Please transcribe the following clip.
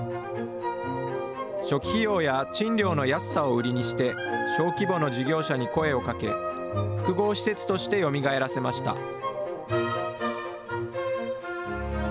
初期費用や賃料の安さを売りにして、小規模の事業者に声をかけ、複合施設としてよみがえらせました。